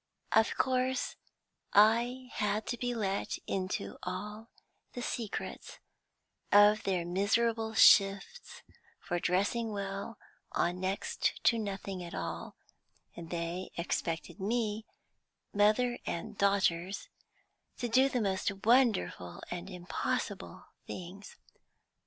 Of course I had to be let into all the secrets of their miserable shifts for dressing well on next to nothing at all, and they expected me mother and daughters to do the most wonderful and impossible things.